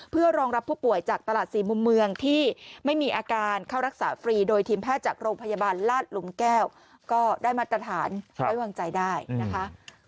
เพื่อรองรับผู้ป่วยจากตลาดสี่มุมเมืองที่ไม่มีอาการเข้ารักษาฟรีโดยทีมแพทย์จากโรงพยาบาลลาดหลุมแก้วก็ได้มาตรฐานไว้วางใจได้นะคะ